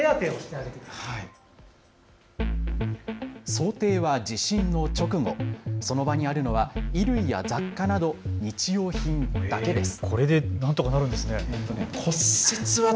想定は地震の直後、その場にあるのは衣類や雑貨など日用品だけです。